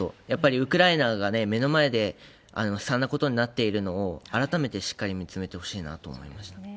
やっぱりウクライナが目の前で悲惨なことになっているのを、改めてしっかり見つめてほしいなと思いました。